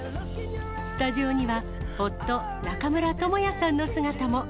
スタジオには、夫、中村倫也さんの姿も。